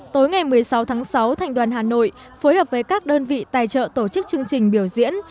tối ngày một mươi sáu tháng sáu thành đoàn hà nội phối hợp với các đơn vị tài trợ tổ chức chương trình biểu diễn